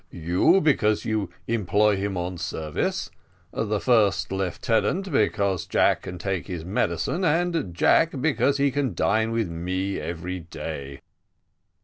You, because you employ him on service the first lieutenant, because Jack can take his medicine and Jack, because he can dine with me every day."